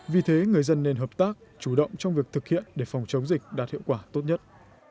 vì thế người dân nên hợp tác chủ động trong việc thực hiện để phòng chống dịch đạt hiệu quả tốt nhất